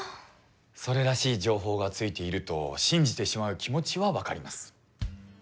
それらしい情報がついていると信じてしまう気持ちはわかります。